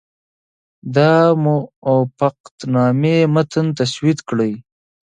د موافقتنامې متن تسوید کړي.